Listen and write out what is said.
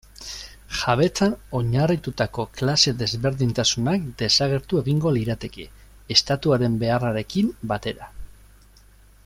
Jabetzan oinarritutako klase-desberdintasunak desagertu egingo lirateke, estatuaren beharrarekin batera.